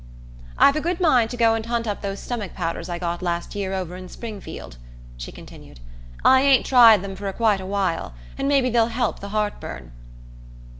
"I've a good mind to go and hunt up those stomach powders I got last year over in Springfield," she continued. "I ain't tried them for quite a while, and maybe they'll help the heartburn."